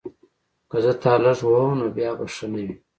که زه تا لږ ووهم نو بیا به ښه نه وي